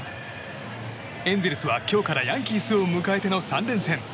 エンゼルスは今日からヤンキースを迎えての３連戦。